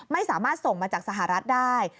ไม่สามารถส่งมาจากสหรัฐได้